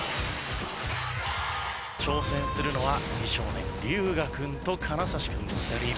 挑戦するのは美少年龍我君と金指君の２人。